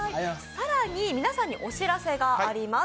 更に、皆さんにお知らせがあります。